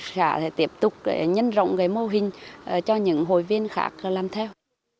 chúng tôi tiếp tục nhân rộng mô hình cho những hội viên khác làm theo